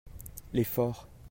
les forts.